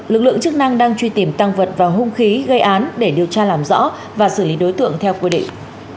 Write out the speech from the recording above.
lực lượng chức năng đang truy tìm tăng vật và hung khí gây án để điều tra làm rõ và xử lý đối tượng theo quy định